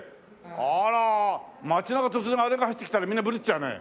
あら街中で突然あれが走ってきたらみんなブルッちゃうね。